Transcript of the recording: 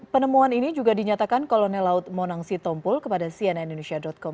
penemuan ini juga dinyatakan kolonel laut monang sittompul kepada cnnindonesia com